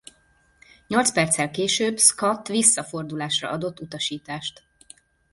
Nyolc perccel később Scott visszafordulásra adott utasítást.